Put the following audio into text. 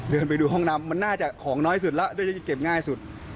เดินไปดูห้องน้ำมันน่าจะของน้อยสุดแล้วด้วยจะเก็บง่ายสุด